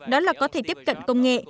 đó là có thể tiếp cận công nghệ